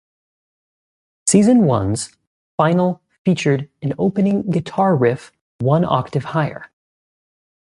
Season one's finale featured an opening guitar riff one octave higher.